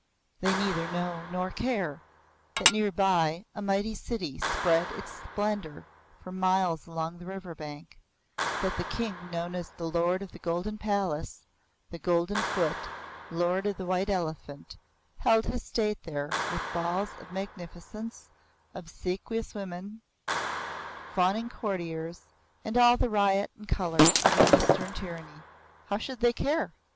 They neither know nor care that, near by, a mighty city spread its splendour for miles along the river bank, that the king known as Lord of the Golden Palace, The Golden Foot, Lord of the White Elephant, held his state there with balls of magnificence, obsequious women, fawning courtiers and all the riot and colour of an Eastern tyranny. How should they care?